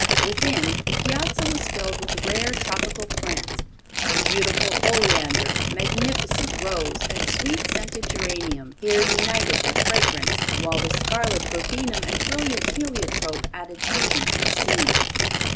Within the piazza was filled with rare tropical plants. The beautiful oleander, magnificent rose and sweet scented geranium, here united their fragrance, while the scarlet verbenum and brilliant heliotrope added beauty to the scene.